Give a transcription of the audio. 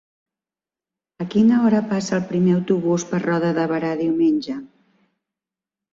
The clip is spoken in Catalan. A quina hora passa el primer autobús per Roda de Berà diumenge?